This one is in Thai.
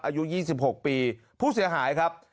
อายุ๒๖ปีผู้เสียหายครับ